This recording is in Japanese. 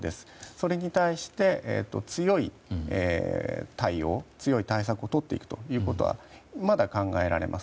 それに対して強い対応強い対策をとっていくということはまだ考えられます。